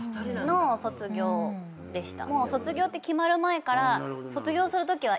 の卒業でした。